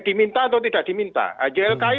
diminta atau tidak diminta ylki